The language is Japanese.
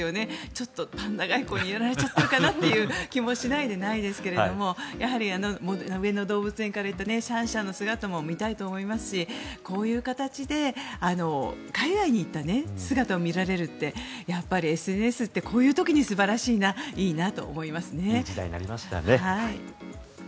ちょっとパンダ外交にやられちゃったかなという気がしないでもないですがやはり、上野動物園から行ったシャンシャンの姿も見たいと思いますしこういう形で海外に行った姿を見られるってやっぱりＳＮＳってこういう時に、素晴らしいないい時代になりましたね。